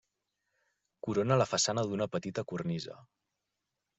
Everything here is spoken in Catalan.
Corona la façana una petita cornisa.